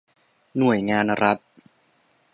หน่วยงานรัฐ